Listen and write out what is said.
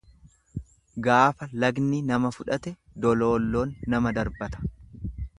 Gaafa lagni nama fudhate doloolloon nama darbata.